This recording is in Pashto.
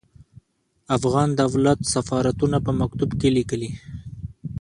افغان دولت سفارتونو ته په مکتوب کې ليکلي.